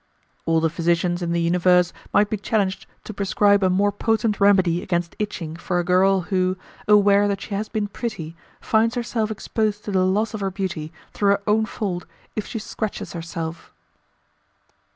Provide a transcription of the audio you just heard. All the physicians in the universe might be challenged to prescribe a more potent remedy against itching for a girl who, aware that she has been pretty, finds herself exposed to the loss of her beauty through her own fault, if she scratches herself.